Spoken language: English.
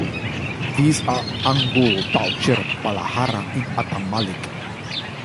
These are Angul, Talcher, Pallahara and Athamallik.